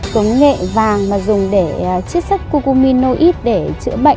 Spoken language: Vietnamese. cống nghệ vàng mà dùng để chất sắc cucumin nâu ít để chữa bệnh